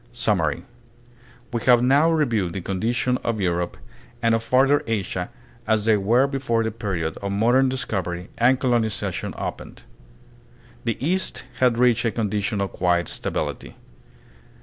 Summary. We have now reviewed the condition of Europe and of farther Asia as they were before the period of modern discovery and colonization opened. The East had reached a condition of quiet stability.